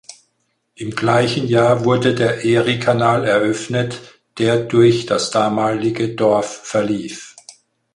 Im gleichen Jahr wurde der Eriekanal eröffnet, der durch das damalige Dorf verlief.